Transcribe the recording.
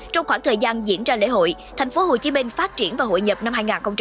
trong khoảng thời gian diễn ra lễ hội tp hcm phát triển và hội nhập năm hai nghìn hai mươi